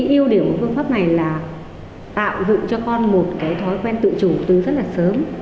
yêu điểm của phương pháp này là tạo dựng cho con một thói quen tự chủ từ rất sớm